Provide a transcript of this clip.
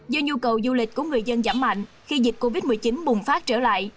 do nhu cầu du lịch của người dân giảm mạnh khi dịch covid một mươi chín bùng phát trở lại